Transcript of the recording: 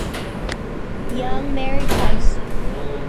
Young married twice.